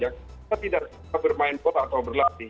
kita tidak bermain bola atau berlatih